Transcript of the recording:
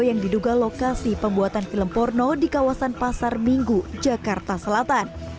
yang diduga lokasi pembuatan film porno di kawasan pasar minggu jakarta selatan